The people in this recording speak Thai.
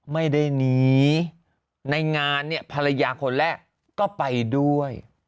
ไม่ได้หนีในงานเนี่ยภรรยาคนแรกก็ไปด้วย